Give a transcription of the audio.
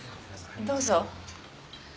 どうぞ。